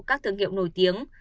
các thương hiệu nổi tiếng